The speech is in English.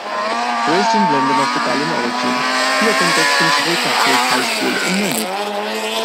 Raised in London of Italian origin, he attended Finchley Catholic High School in London.